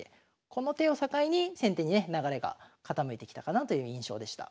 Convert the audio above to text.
この手を境に先手にね流れが傾いてきたかなという印象でした。